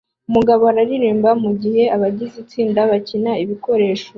Umugabo aririmba mugihe abagize itsinda bakina ibikoresho